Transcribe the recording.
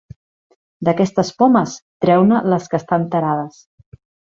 D'aquestes pomes, treu-ne les que estan tarades.